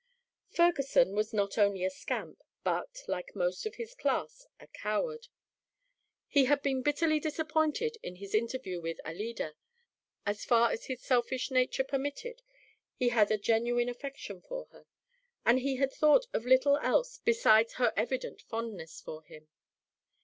Ferguson was not only a scamp, but, like most of his class, a coward. He had been bitterly disappointed in his interview with Alida. As far as his selfish nature permitted, he had a genuine affection for her, and he had thought of little else besides her evident fondness for him.